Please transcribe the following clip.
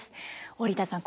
織田さん